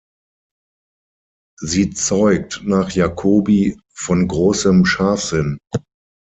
Sie zeugt nach Jacobi „von großem Scharfsinn“.